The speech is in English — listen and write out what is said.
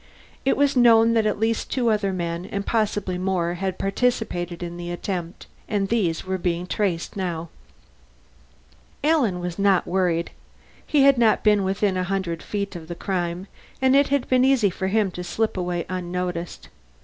It was known that at least two other men and possibly more had participated in the attempt, and these were being traced now. Alan was not worried. He had not been within a hundred feet of the crime, and it had been easy for him to slip away unnoticed.